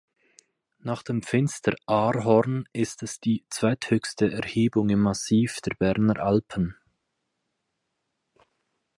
Nach dem Finsteraarhorn ist es die zweithöchste Erhebung im Massiv der Berner Alpen.